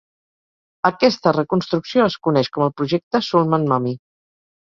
Aquesta reconstrucció es coneix com el projecte Sulman Mummy.